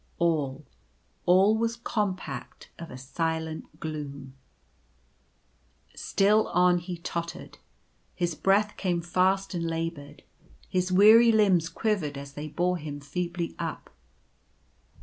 All, all was compact of a silent gloom. Still on he tottered. His breath came fast and la \ Sinking to rise not. 155 boured. His weary limbs quivered as they bore him feebly up.